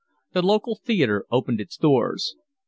The local theatre opened its doors.